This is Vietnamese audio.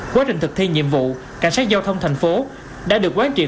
quá trình thực thi nhiệm vụ cảnh sát giao thông tp hcm đã được quán triệt